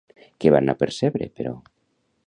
Què van apercebre, però?